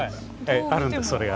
あるんですそれが。